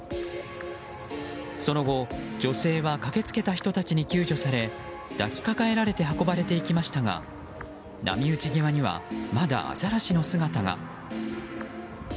その後、女性は駆けつけた人たちに救助され抱きかかえられて運ばれていきましたが波打ち際にはまだアザラシの姿が。